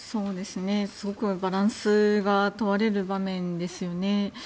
すごくバランスが問われる場面ですよね。